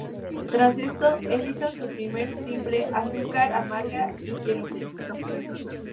Tras esto, editan su primer simple: "Azúcar amarga" y "Quiero Ser".